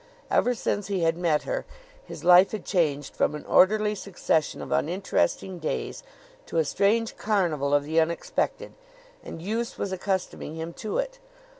Ever since he had met her his life had changed from an orderly succession of uninteresting days to a strange carnival of the unexpected, and use was accustoming him to it.